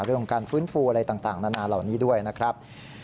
เรื่องของการฟื้นฟูอะไรต่างนานาเหล่านี้ด้วยนะครับ